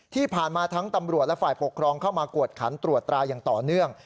ที่ผ่านมาทั้งตำรวจและฝ่ายปกครองเข้ามากวดขันตรวจตราอย่างต่อเนื่อง